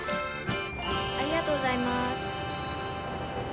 ありがとうございます。